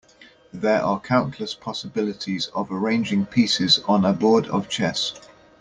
There are countless possibilities of arranging pieces on a board of chess.